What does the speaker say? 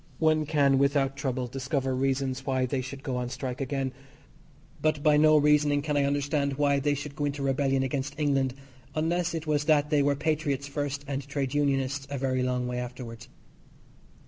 One can without trouble discover reasons why they should go on strike again, but by no reasoning can I understand why they should go into rebellion against England, unless it was that they were patriots first and trade unionists a very long way afterwards.